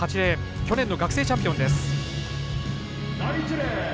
去年の学生チャンピオンです。